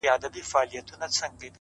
پرون مي ستا په ياد كي شپه رڼه كړه;